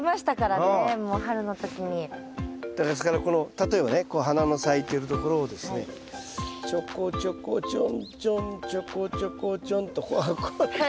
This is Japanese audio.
ですからこの例えばねこう花の咲いてるところをですねちょこちょこちょんちょんちょこちょこちょんと。